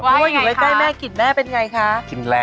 เพราะว่าอยู่ใกล้แม่กลิ่นแม่เป็นไงคะ